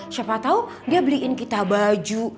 siapa tahu dia beliin kita baju